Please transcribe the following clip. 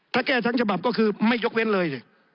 ถ้าแก้ทั้งฉบับก็คือไม่ยกเว้นเลยสิ